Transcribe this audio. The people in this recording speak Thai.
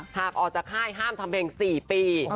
หากออกจากค่ายห้ามทำเพลง๔ปี